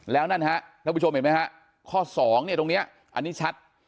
แล้วนั่นครับนักผู้ชมเห็นไหมครับข้อสองเนี่ยตรงเนี้ยอันนี้ชัด